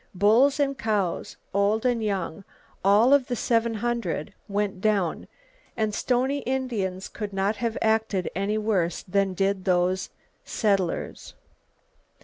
Bulls and cows, old and young, all of the seven hundred, went down; and Stoney Indians could not have acted any worse than did those "settlers."